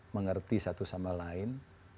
mengerti satu sama lain